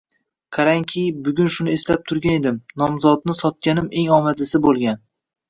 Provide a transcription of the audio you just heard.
qarangki, bugun shuni eslab turgan edim, nomzodni sotganim eng omadlisi boʻlgan.